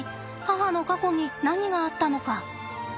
母の過去に何があったのか。